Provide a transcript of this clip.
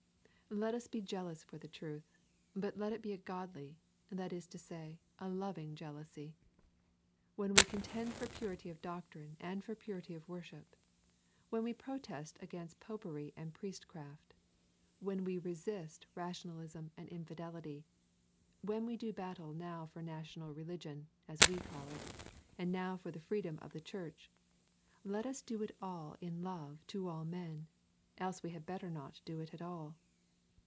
Let us be jealous for the truth, but let it be a godly, that is to say, a loving jealousy. When we contend for purity of doctrine and for purity of worship, when we protest against popery and priestcraft, when we resist rationalism and infidelity, when we do battle now for national religion, as we call it, and now for the freedom of the church, let us do it all in love to all men, else we had better not do it at all.